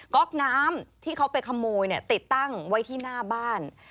๊อกน้ำที่เขาไปขโมยติดตั้งไว้ที่หน้าบ้าน